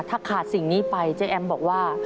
ถ้าขาดสิ่งนี้ไปเจ๊แอมบอกว่า